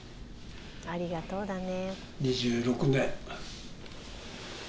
ありがとうだね。